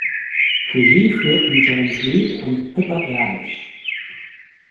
Regie führten James Reed und Pippa Ehrlich.